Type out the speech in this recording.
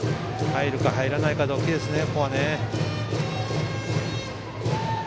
入るか入らないかで大きいですね。